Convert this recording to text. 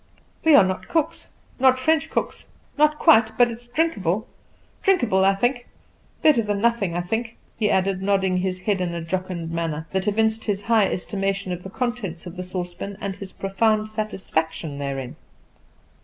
"We are not cooks not French cooks, not quite; but it's drinkable, drinkable, I think; better than nothing, I think," he added, nodding his head in a jocund manner that evinced his high estimation of the contents of the saucepan and his profound satisfaction therein.